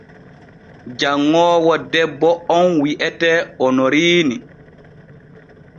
Janŋoowo debbo on wi’etee Onoriini.